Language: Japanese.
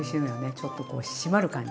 ちょっとこう締まる感じ